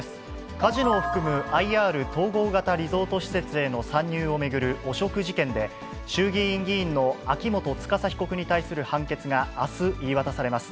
カジノを含むＩＲ・統合型リゾート施設への参入を巡る汚職事件で、衆議院議員の秋元司被告に対する判決があす言い渡されます。